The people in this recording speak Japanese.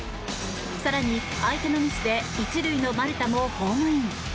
更に、相手のミスで１塁の丸田もホームイン。